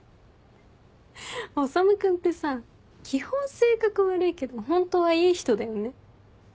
修君ってさ基本性格悪いけどホントはいい人だよね。